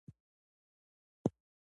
خپل احساسات په مالي پرېکړو کې مه دخیل کوه.